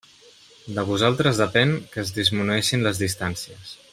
De vosaltres depèn que es disminueixin les distàncies!